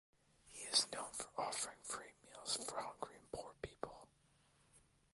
He is known for offering free meals for hungry and poor people.